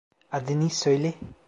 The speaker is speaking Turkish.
Adını söyle!